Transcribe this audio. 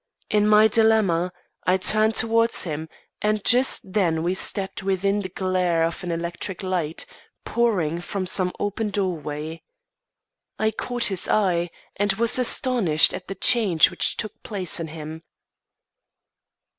In my dilemma, I turned towards him and just then we stepped within the glare of an electric light pouring from some open doorway. I caught his eye, and was astonished at the change which took place in him.